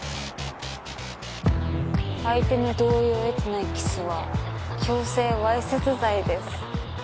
相手の同意を得てないキスは強制わいせつ罪です。